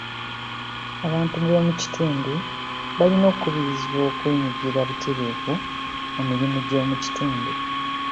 Abantu b'omu kitundu balina okukubirizibwa okwenyigira buteerevu mu mirimu gy'omu kitundu.